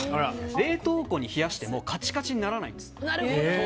冷凍庫に冷やしてもカチカチにならないんです。